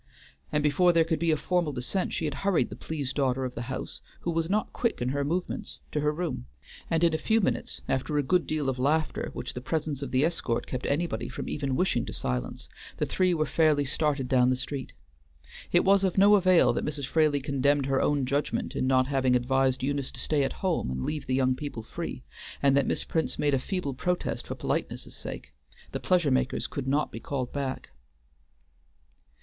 and before there could be a formal dissent she had hurried the pleased daughter of the house, who was not quick in her movements, to her room, and in a few minutes, after a good deal of laughter which the presence of the escort kept anybody from even wishing to silence, the three were fairly started down the street. It was of no avail that Mrs. Fraley condemned her own judgment in not having advised Eunice to stay at home and leave the young people free, and that Miss Prince made a feeble protest for politeness' sake, the pleasure makers could not be called back.